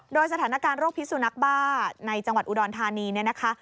โดยสถานการณ์โรคพิสุนักบ้าในจังหวัดอุดรธานีเนี่ยนะคะ